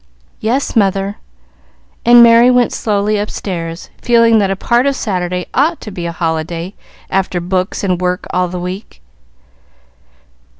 "Yes, mother;" and Merry went slowly upstairs, feeling that a part of Saturday ought to be a holiday after books and work all the week.